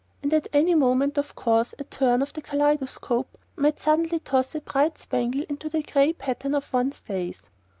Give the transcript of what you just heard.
And at any moment, of course, a turn of the kaleidoscope might suddenly toss a bright spangle into the grey pattern of one's days.